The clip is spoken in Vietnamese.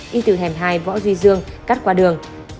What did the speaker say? đi từ hẻm hai võ duy dương cắt qua đường